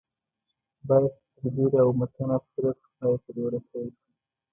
باید په تدبیر او متانت سره تر پایه پورې ورسول شي.